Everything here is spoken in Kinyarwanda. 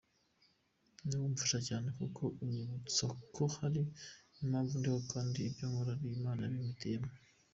niwo umfasha cyane kuko unyibutsako hari impamvu ndiho kandi ko ibyonkora ari Imana yabimpitiyemo.